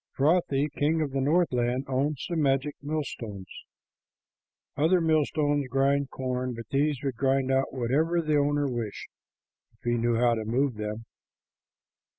Frothi, king of the Northland, owned some magic millstones. Other millstones grind corn, but these would grind out whatever the owner wished, if he knew how to move them.